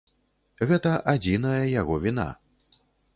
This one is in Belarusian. Гэта адзіная яго віна.